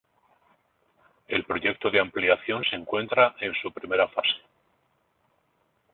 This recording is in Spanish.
El proyecto de ampliación se encuentra en su primera fase.